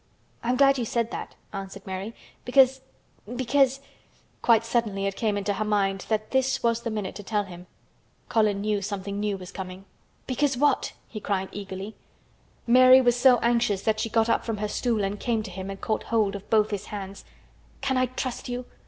"I'm glad you said that," answered Mary, "because—because—" Quite suddenly it came into her mind that this was the minute to tell him. Colin knew something new was coming. "Because what?" he cried eagerly. Mary was so anxious that she got up from her stool and came to him and caught hold of both his hands. "Can I trust you?